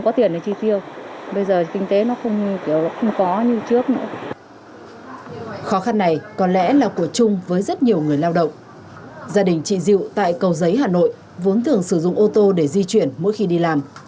gia đình chị diệu tại cầu giấy hà nội vốn thường sử dụng ô tô để di chuyển mỗi khi đi làm